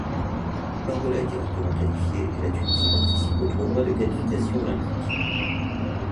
L'Angola est directement qualifiée et la Tunisie participe aux tournois de qualification olympique.